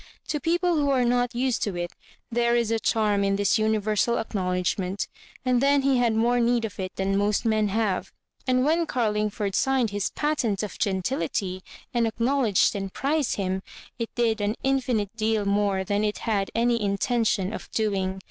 To people who are not used to it, there is a charm In this universal ao knowledgment And then he had more need of it than most men have ; and, when Carlingford signed his patent of gentility, and acknowledg ed and prized him, it did an infinite deal more than it had any intention of doing.